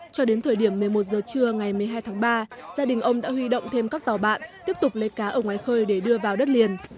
cho đến thời điểm một mươi một giờ trưa ngày một mươi hai tháng ba gia đình ông đã huy động thêm các tàu bạn tiếp tục lấy cá ở ngoài khơi để đưa vào đất liền